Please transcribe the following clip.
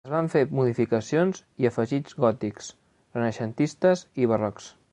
Es van fer modificacions i afegits gòtics, renaixentistes i barrocs.